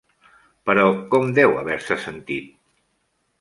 Però com deu haver-se sentit!